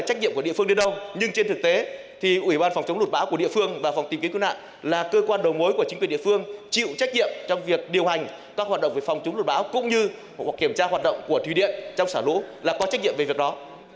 thành các hoạt động về phòng chống lụt báo cũng như kiểm tra hoạt động của thủy điện trong sả lũ là có trách nhiệm về việc đó